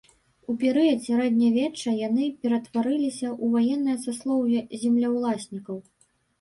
У перыяд сярэднявечча яны ператварыліся ў ваеннае саслоўе землеўласнікаў.